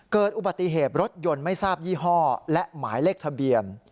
เกิดอุบัติเหตุรถยนต์ไม่ทราบยี่ห้อและหมายเลขทะเบียน